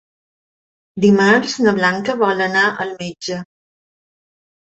Dimarts na Blanca vol anar al metge.